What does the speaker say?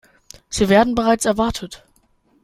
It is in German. Sie werden bereits erwartet.